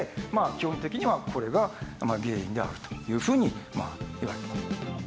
基本的にはこれが原因であるというふうにまあいわれてる。